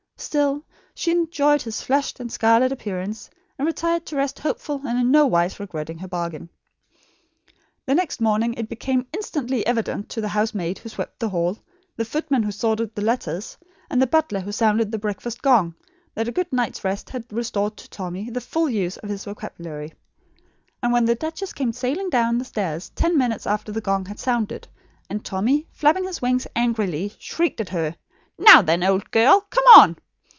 Still, she enjoyed his flushed and scarlet appearance, and retired to rest hopeful and in no wise regretting her bargain. The next morning it became instantly evident to the house maid who swept the hall, the footman who sorted the letters, and the butler who sounded the breakfast gong, that a good night's rest had restored to Tommy the full use of his vocabulary. And when the duchess came sailing down the stairs, ten minutes after the gong had sounded, and Tommy, flapping his wings angrily, shrieked at her: "Now then, old girl! Come on!"